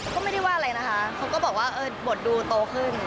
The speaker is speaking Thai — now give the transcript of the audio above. ก็ไม่ได้ว่าอะไรนะคะเขาก็บอกว่าบทดูโตขึ้น